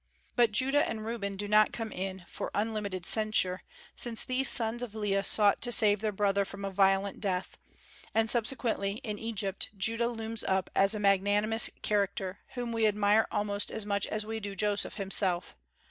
But Judah and Reuben do not come in for unlimited censure, since these sons of Leah sought to save their brother from a violent death; and subsequently in Egypt Judah looms up as a magnanimous character, whom we admire almost as much as we do Joseph himself.